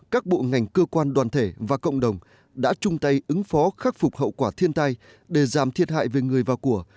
các bộ ngành cơ quan đoàn thể và cộng đồng đã chung tay ứng phó khắc phục hậu quả thiên tai để giảm thiệt hại về người và của